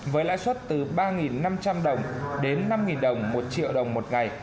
với lãi suất từ ba năm trăm linh đồng đến năm đồng một triệu đồng một ngày